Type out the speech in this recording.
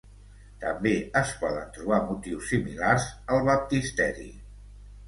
També es poden trobar motius similars al baptisteri.